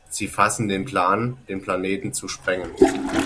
Sie fassen den Plan, den Planeten zu sprengen.